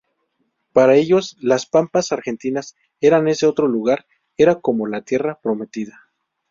Para ellos, las pampas argentinas eran ese otro lugar, era como la Tierra Prometida.